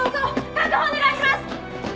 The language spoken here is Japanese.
確保お願いします！